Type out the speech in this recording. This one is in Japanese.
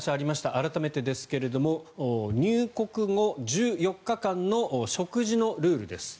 改めてですけど入国後１４日間の食事のルールです。